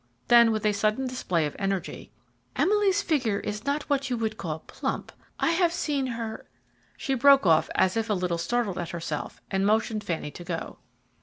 Then with a sudden display of energy, "Emily's figure is not what you would call plump. I have seen her " She broke off as if a little startled at herself and motioned Fanny to go.